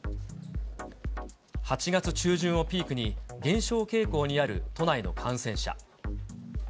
８月中旬をピークに、減少傾向にある都内の感染者。